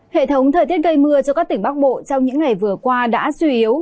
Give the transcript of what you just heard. hệ thống thời tiết gây mưa cho các tỉnh bắc bộ trong những ngày vừa qua đã suy yếu